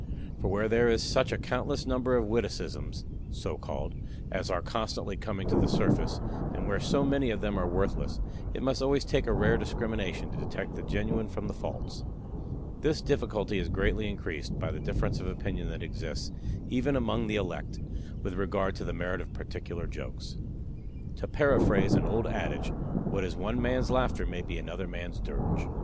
For where there is such a countless number of witticisms (so called) as are constantly coming to the surface, and where so many of them are worthless, it must always take a rare discrimination to detect the genuine from the false. This difficulty is greatly increased by the difference of opinion that exists, even among the elect, with regard to the merit of particular jokes. To paraphrase an old adage, what is one man's laughter may be another man's dirge.